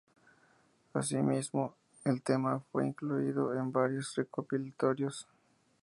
Así mismo, el tema fue incluido en varios recopilatorios.